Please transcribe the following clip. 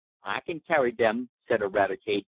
"I kin carry dem," said Eradicate.